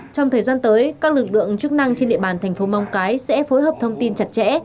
trong thời gian tới các lực lượng chức năng trên địa bàn thành phố móng cái sẽ phối hợp thông tin chặt chẽ